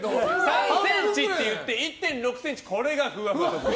３ｃｍって言って１．６ｃｍこれがふわふわ特技。